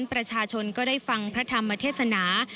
ประชาชนก็ได้ฟังพระธรรมเทศนา